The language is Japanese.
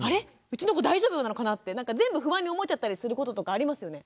うちの子大丈夫なのかなって全部不安に思っちゃったりすることとかありますよね。